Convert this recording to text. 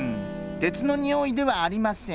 てつのにおいではありません！